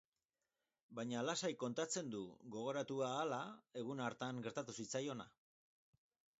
Baina lasai kontatzen du, gogoratu ahala, egun hartan gertatu zitzaiona.